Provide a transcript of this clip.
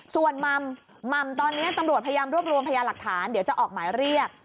ส่วนหม่ำตอนนี้ตำรวจพยายามรวบรวมพยาหลักฐานเดี๋ยวจะออกหมายเรียก